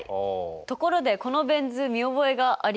ところでこのベン図見覚えがありませんか？